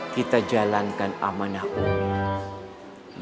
kita jalankan amanah ummi